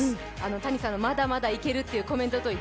Ｔａｎｉさんのまだまだいけるというコメント。